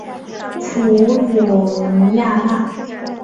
普吕尼亚讷。